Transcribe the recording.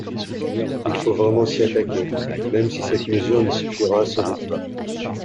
Il faut vraiment s’y attaquer, même si cette mesure n’y suffira sans doute pas.